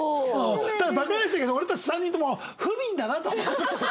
ただバカにはしてないけど俺たち３人とも不憫だなとは思ってる。